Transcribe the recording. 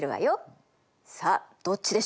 さあどっちでしょう？